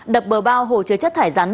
đập bờ bao hồ chứa chất thải rắn